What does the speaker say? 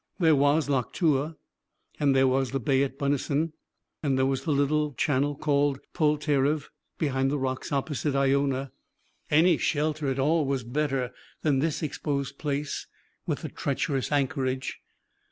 There was Loch Tua, and there was the bay at Bunessan, and there was the little channel called Polterriv, behind the rocks opposite Iona. Any shelter at all was better than this exposed place, with the treacherous anchorage.